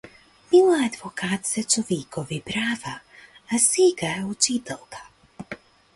Била адвокат за човекови права, а сега е учителка.